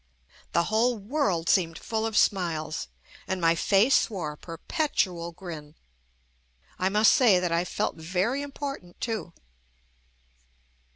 The whole world seemed full of smiles and my face wore a perpetual grin. I must say that I felt very important too.